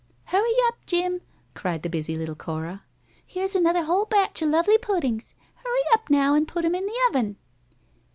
"Hurry up, Jim," cried the busy little Cora. "Here's another whole batch of lovely puddings. Hurry up now, an' put 'em in the oven."